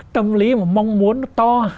tâm lý mà mong muốn nó to